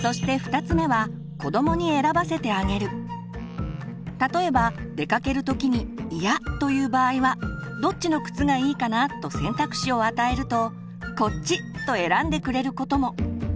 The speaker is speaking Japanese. そして例えば出かける時に「イヤ！」という場合は「どっちの靴がいいかな？」と選択肢を与えると「こっち！」と選んでくれることも。